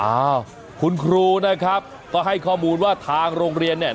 อ้าวคุณครูนะครับก็ให้ข้อมูลว่าทางโรงเรียนเนี่ย